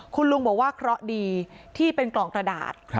คุณลุงบอกว่าเคราะห์ดีที่เป็นกล่องกระดาษ